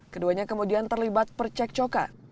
keduanya kemudian terlibat percek cokat